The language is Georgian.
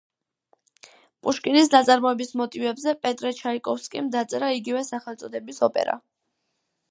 პუშკინის ნაწარმოების მოტივებზე პეტრე ჩაიკოვსკიმ დაწერა იგივე სახელწოდების ოპერა.